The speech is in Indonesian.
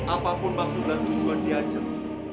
apapun maksud dan tujuan diajak